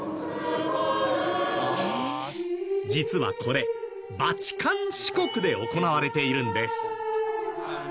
実はこれバチカン市国で行われているんです。